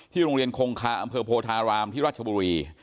โรงเรียนคงคาอำเภอโพธารามที่รัชบุรี